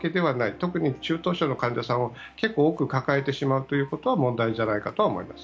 特に中等症の患者さんを結構多く抱えてしまうというのは問題じゃないかと思います。